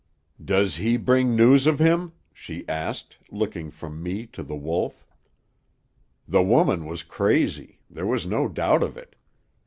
"'Does he bring news of him?' she asked, looking from me to The Wolf. "The woman was crazy; there was no doubt of it.